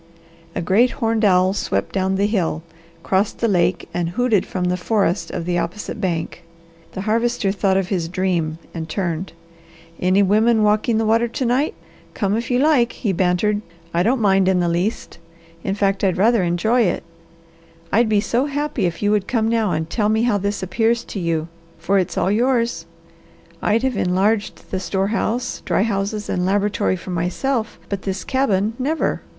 A great horned owl swept down the hill, crossed the lake, and hooted from the forest of the opposite bank. The Harvester thought of his dream and turned. "Any women walking the water to night? Come if you like," he bantered, "I don't mind in the least. In fact, I'd rather enjoy it. I'd be so happy if you would come now and tell me how this appears to you, for it's all yours. I'd have enlarged the store room, dry houses and laboratory for myself, but this cabin, never!